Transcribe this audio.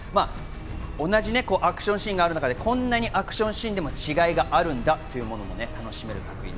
同じアクションシーンがある中でこんなにアクションシーンでも違いがあるんだというものも楽しめます。